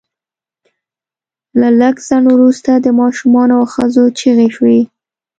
له لږ ځنډ وروسته د ماشومانو او ښځو چیغې شوې